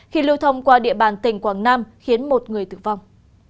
khi lưu thông qua địa bàn tỉnh quảng nam khiến một người tử vong